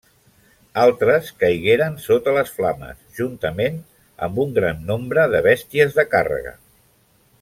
Altres caigueren sota les flames, juntament amb un gran nombre de bèsties de càrrega.